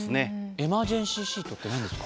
エマージェンシーシートって何ですか？